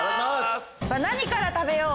何から食べよう？